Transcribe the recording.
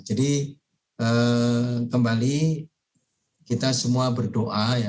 jadi kembali kita semua berdoa